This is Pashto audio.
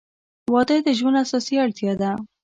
• واده د ژوند اساسي اړتیا ده.